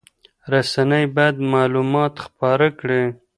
رسنۍ باید معلومات خپاره کړي.